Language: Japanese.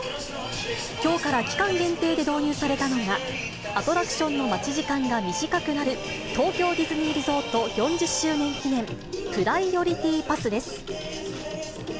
きょうから期間限定で導入されたのが、アトラクションの待ち時間が短くなる、東京ディズニーリゾート４０周年記念プライオリティパスです。